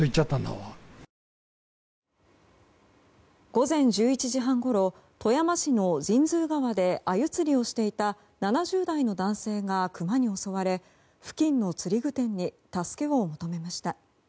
午前１１時半ごろ富山市の神通川でアユ釣りをしていた７０代の男性がクマに襲われ付近の釣具店に助けを求めました。